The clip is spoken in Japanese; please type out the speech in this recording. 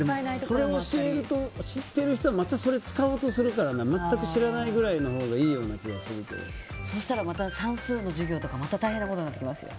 それを教えるとまた知っている人はまたそれを使おうとするから全く知らないぐらいのほうがそうしたらまた算数の授業とか大変なことになっていきますよ。